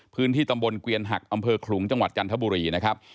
พื้นที่ตำบลเกวียนหักอำเภอขลุงจังหวัดจันทบุรีนะครับ